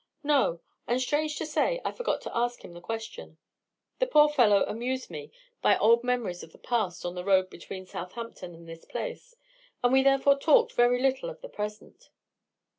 "No; and, strange to say, I forgot to ask him the question. The poor fellow amused me by old memories of the past on the road between Southampton and this place, and we therefore talked very little of the present."